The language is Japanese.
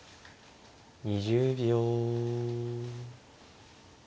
２０秒。